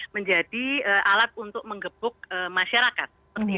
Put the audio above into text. menjadi alat untuk mengebuk masyarakat